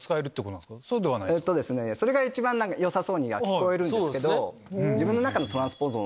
それが一番よさそうには聞こえるんですけど。